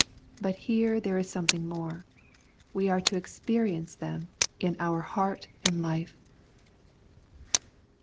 But here there is something more ; Wt are to experi ence them in our heart and Hfe.